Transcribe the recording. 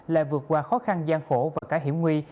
lại vượt qua khó khăn gian khổ và cả hiểm nguy